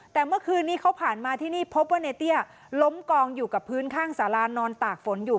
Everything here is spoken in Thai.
แต่เมื่อคืนนี้เขาผ่านมาที่นี่พบว่าในเตี้ยล้มกองอยู่กับพื้นข้างสารานอนตากฝนอยู่